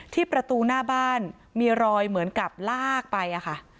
ที่ประตูหน้าบ้านมีรอยเหมือนกับลากไปอะค่ะ